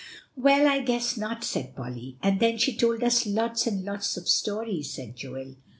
"Well, I guess not," said Polly. "And then she told us lots and lots of stories," said Joel.